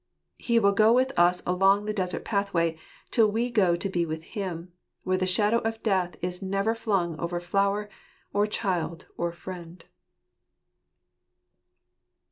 He will go with ms along the desert pathway, till we go to be with Him, where the shadow of death is never flung over flower, or child, or friend.